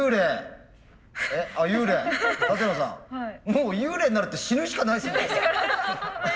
もう幽霊になるって死ぬしかないですもんね。